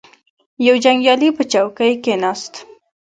یو جنګیالی په چوکۍ کښیناست.